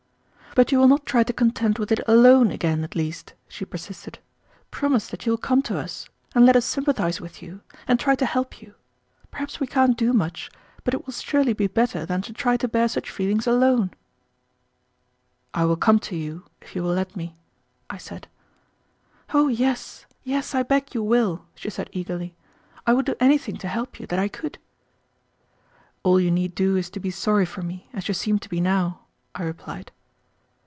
"But you will not try to contend with it alone again, at least," she persisted. "Promise that you will come to us, and let us sympathize with you, and try to help you. Perhaps we can't do much, but it will surely be better than to try to bear such feelings alone." "I will come to you if you will let me," I said. "Oh yes, yes, I beg you will," she said eagerly. "I would do anything to help you that I could." "All you need do is to be sorry for me, as you seem to be now," I replied.